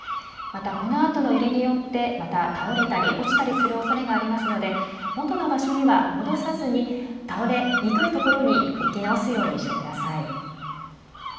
また、このあとの揺れによってまた倒れたり落ちたりするおそれがありますので元の場所には戻さずに倒れにくいところに置き直すようにしてください。